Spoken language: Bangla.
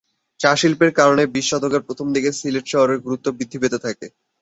চা শিল্পের কারণে বিশ শতকের প্রথম দিকে সিলেট শহরের গুরুত্ব বৃদ্ধি পেতে থাকে।